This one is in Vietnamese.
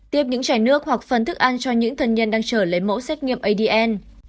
tiếp những chảy nước hoặc phần thức ăn cho những thân nhân đang trở lấy mẫu xét nghiệm adn